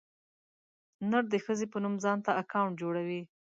نر د ښځې په نوم ځانته اکاونټ جوړوي.